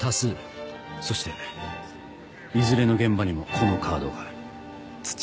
そしていずれの現場にもこのカードが。